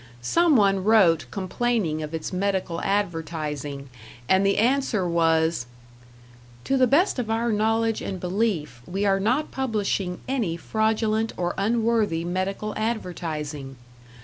Some one wrote complaining of its medical advertising, and the answer was: To the best of our knowledge and belief, we are not publishing any fraudulent or unworthy medical advertising....